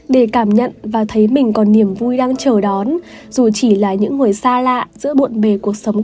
để cảm nhận và thấy mình còn niềm vui đang chờ đón dù chỉ là những người xa lạ giữa bộn bề cuộc sống